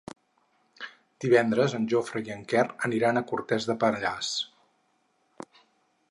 Divendres en Jofre i en Quer aniran a Cortes de Pallars.